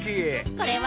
これは。